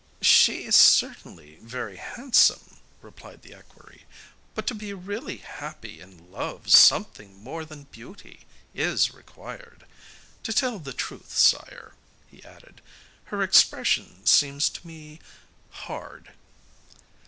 'She is certainly very handsome,' replied the equerry, 'but to be really happy in love something more than beauty is required. To tell the truth, sire,' he added, 'her expression seems to me hard.